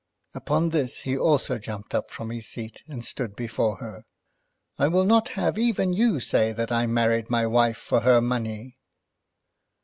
Upon this he also jumped up from his seat, and stood before her. "I will not have even you say that I married my wife for her money."